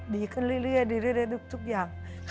ดีขึ้นเรื่อยทุกอย่าง